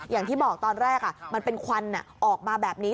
อย่างที่บอกตอนแรกมันเป็นควันออกมาแบบนี้